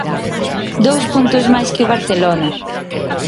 Dous puntos máis que o Barcelona.